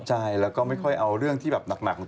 ใช่แล้วก็ไม่ค่อยเอาเรื่องที่หนักของตัวเอง